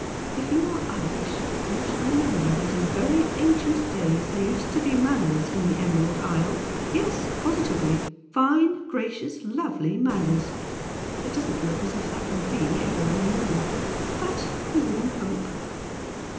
If you are Irish you should remember that in very ancient days there used to be manners in the Emerald Isle. Yes, positively! Fine, gracious, lovely manners! It doesn't look as if that will be ever any more but we live in hope.